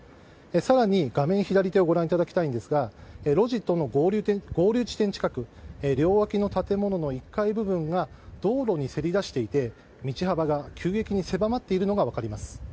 更に、画面左手をご覧いただきたいんですが路地との合流地点近く両脇の建物の１階部分が道路にせり出していて道幅が急激に狭まっているのが分かります。